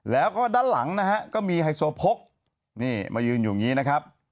แล้วก็ด้านหลังนะฮะก็มีไฮโซโพกนี่มายืนอยู่อย่างนี้นะครับ